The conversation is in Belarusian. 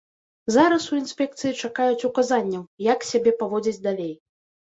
Зараз у інспекцыі чакаюць указанняў, як сябе паводзіць далей.